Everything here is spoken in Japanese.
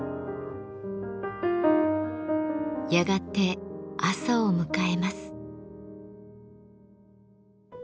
やがて朝を迎えます。